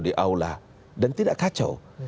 di aula dan tidak kacau